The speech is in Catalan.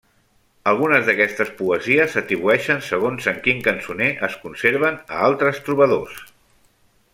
Algunes d'aquestes poesies s'atribueixen, segons en quin cançoner es conserven, a altres trobadors.